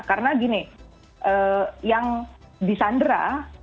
karena gini yang di sandra